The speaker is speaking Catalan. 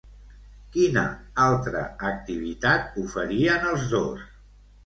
Quina altra activitat oferien els dos?